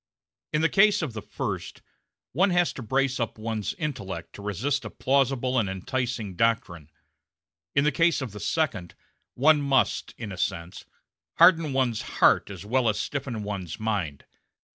In the case of the first, one has to brace up one's intellect to resist a plausible and enticing doctrine; in the case of the second, one must, in a sense, harden one's heart as well as stiffen one's mind.